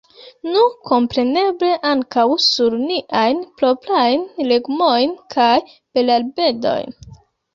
Nu, kompreneble ankaŭ sur niajn proprajn legomojn kaj berarbedojn.